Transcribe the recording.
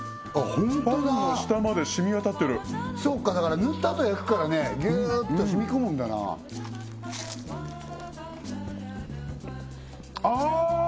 ホントだパンの下までしみわたってるそっかだから塗ったあと焼くからねぎゅっとしみこむんだなあ！